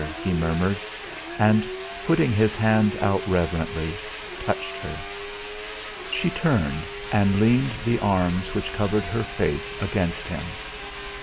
he murmured, and putting his hand out reverently, touched her. She turned, and leaned the arms which covered her face against him.